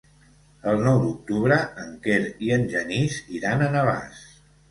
El nou d'octubre en Quer i en Genís iran a Navàs.